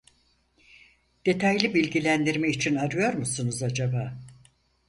Detaylı bilgilendirme için arıyor musunuz acaba